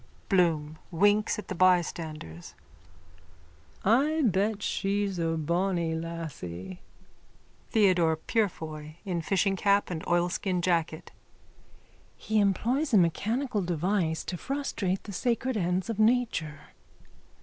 BLOOM: (Winks at the bystanders.) I bet she's a bonny lassie. THEODORE PUREFOY: (In fishingcap and oilskin jacket.) He employs a mechanical device to frustrate the sacred ends of nature.